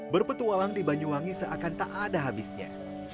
berpetualang di banyuwangi seakan tak ada habisnya